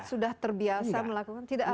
sudah terbiasa melakukan tidak